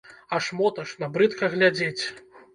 Аж моташна, брыдка глядзець.